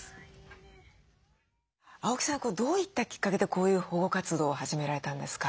青木さんどういったきっかけでこういう保護活動を始められたんですか？